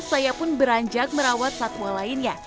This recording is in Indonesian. saya pun beranjak merawat satwa lainnya